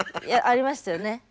いやありましたよね。